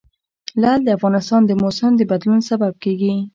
لعل د افغانستان د موسم د بدلون سبب کېږي.